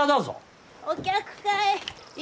お客かい？